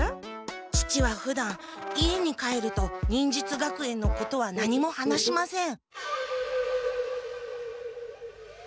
父はふだん家に帰ると忍術学園のことは何も話しません。